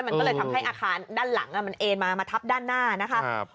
มันก็เลยทำให้อาคารด้านหลังมันเอ็นมามาทับด้านหน้านะคะ